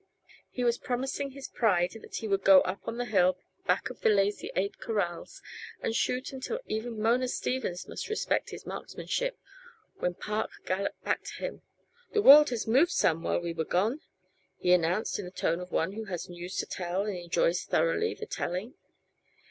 He was promising his pride that he would go up on the hill, back of the Lazy Eight corrals, and shoot until even Mona Stevens must respect his marksmanship, when Park galloped back to him "The world has moved some while we was gone," he announced in the tone of one who has news to tell and enjoys thoroughly the telling.